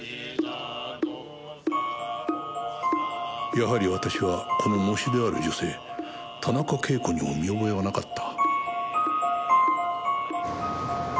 やはり私はこの喪主である女性田中啓子にも見覚えはなかった